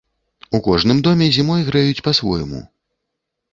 У кожным доме зімой грэюць па-свойму.